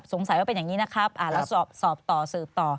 สงสัยว่าเป็นอย่างนี้นะครับแล้วสอบต่อสืบต่อ